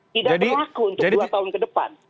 tidak berlaku untuk dua tahun ke depan